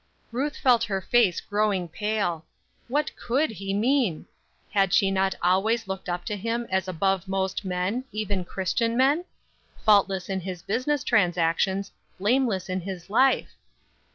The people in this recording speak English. Ruth felt her face growing pale. What could he mean? Had she not always looked up to him as above most men, even Christian men? faultless in his business transactions, blameless in his life?